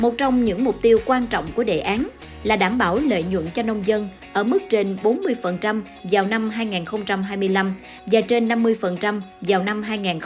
một trong những mục tiêu quan trọng của đề án là đảm bảo lợi nhuận cho nông dân ở mức trên bốn mươi vào năm hai nghìn hai mươi năm và trên năm mươi vào năm hai nghìn ba mươi